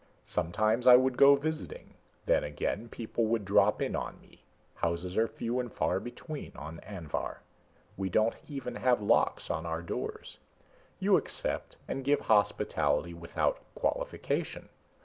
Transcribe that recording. Sometimes I would go visiting. Then again, people would drop in on me houses are few and far between on Anvhar. We don't even have locks on our doors. You accept and give hospitality without qualification.